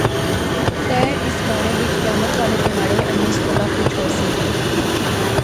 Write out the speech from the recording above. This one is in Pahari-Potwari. تہ اس بارے وچ قیامت والے تہاڑے آنسیں کولا پچھ ہوسی